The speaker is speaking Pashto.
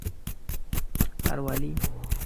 ښاروالي